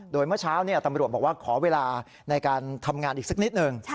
โดยเมื่อเช้าตำรวจบอกว่าขอเวลาในการทำงานอีกสักนิดหนึ่ง